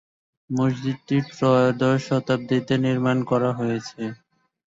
মসজিদটি ত্রয়োদশ শতাব্দীতে নির্মাণ করা হয়েছে।